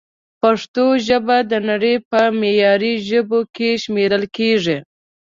پښتو ژبه د نړۍ په معياري ژبو کښې شمېرل کېږي